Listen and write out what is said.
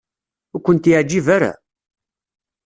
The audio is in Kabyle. Ur kent-yeɛjib ara?